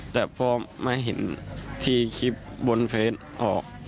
แต่พ่อแม่เห็นที่คลิปบนเฟสออก